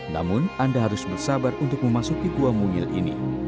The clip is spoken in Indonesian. namun anda harus bersabar untuk memasuki gua mungil ini